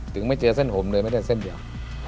ไม่เจอเส้นผมเลยไม่ได้เส้นเดียว